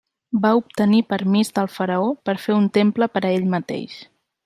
Va obtenir permís del faraó per fer un temple per a ell mateix.